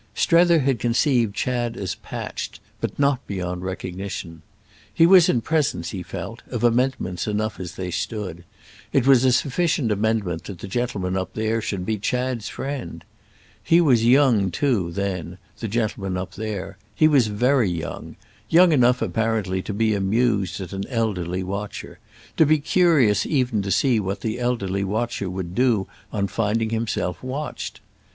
Strether had conceived Chad as patched, but not beyond recognition. He was in presence, he felt, of amendments enough as they stood; it was a sufficient amendment that the gentleman up there should be Chad's friend. He was young too then, the gentleman up there—he was very young; young enough apparently to be amused at an elderly watcher, to be curious even to see what the elderly watcher would do on finding himself watched.